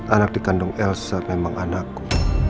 anak dikandung elsa memang anakku